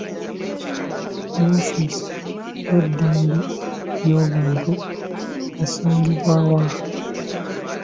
Woofiisi y'eddembe ly'obuntu esangibwa wa?